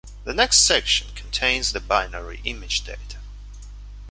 The next section contains the binary image data.